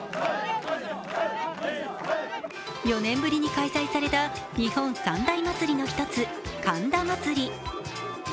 ４年ぶりに開催された日本三大祭りの１つ、神田祭。